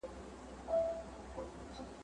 دا یو ډېر عالی نوښت و.